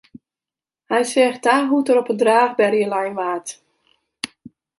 Hja seach ta hoe't er op in draachberje lein waard.